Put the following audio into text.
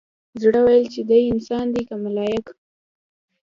زړه مې ويل چې دى انسان دى که ملايک.